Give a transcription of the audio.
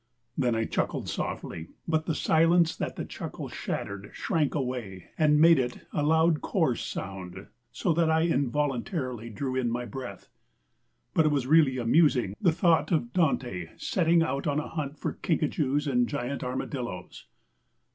Then I chuckled softly, but the silence that the chuckle shattered shrank away and made it a loud, coarse sound, so that I involuntarily drew in my breath. But it was really amusing, the thought of Dante setting out on a hunt for kinkajous and giant armadillos.